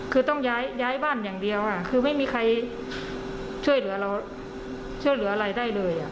คือต้องย้ายบ้านอย่างเดียวคือไม่มีใครช่วยหรืออะไรได้เลย